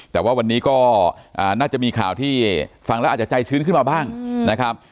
แต่ว่าวันนี้ก็น่าจะมีข่าวที่ฟังแล้วอาจจะใจชื้นขึ้นมาบ้างนะครับ